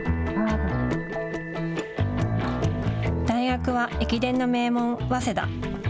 大学は駅伝の名門、早稲田。